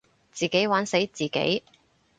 自己玩死自己